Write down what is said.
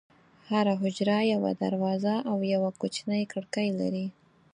هره حجره یوه دروازه او یوه کوچنۍ کړکۍ لري.